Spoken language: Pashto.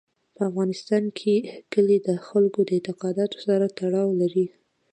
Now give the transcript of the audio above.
په افغانستان کې کلي د خلکو د اعتقاداتو سره تړاو لري.